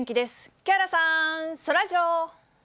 木原さん、そらジロー。